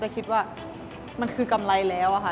คิดว่ามันคือกำไรแล้วอะค่ะ